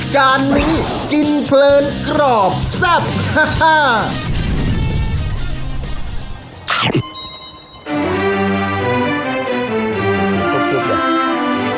จานนี้กินเพลินกรอบแซ่บฮ่า